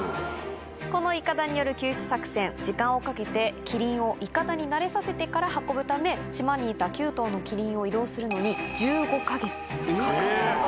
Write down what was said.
このイカダによる救出作戦時間をかけてキリンをイカダに慣れさせてから運ぶため島にいた９頭のキリンを移動するのに１５か月かかったと。